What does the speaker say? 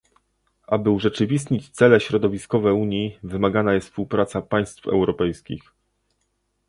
Aby urzeczywistnić cele środowiskowe Unii, wymagana jest współpraca państw europejskich